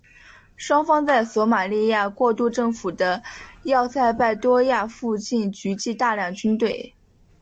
双方在索马利亚过渡政府的要塞拜多亚附近聚集大量军队。